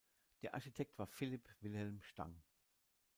Der Architekt war Philipp Wilhelm Stang.